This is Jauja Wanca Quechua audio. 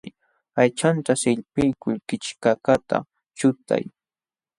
Aychanta sillpiykul kichkakaqta chutay.